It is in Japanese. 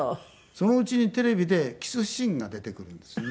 そのうちにテレビでキスシーンが出てくるんですね。